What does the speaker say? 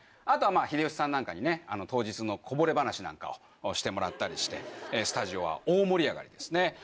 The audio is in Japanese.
あとは秀吉さんなんかに当日のこぼれ話なんかをしてもらったりしてスタジオは大盛り上がりですね。